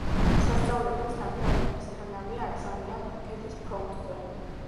სასწავლებლის დამთავრებისთანავე აგზავნიან თურქეთის ფრონტზე.